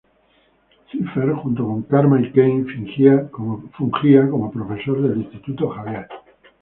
Cypher, junto con Karma y Kane, fungía como profesor del Instituto Xavier.